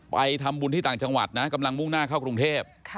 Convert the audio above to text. ไปทำบุญที่ต่างจังหวัดนะกำลังมุ่งหน้าเข้ากรุงเทพ